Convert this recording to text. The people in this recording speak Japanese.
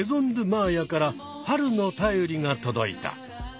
まーやから春の便りが届いた。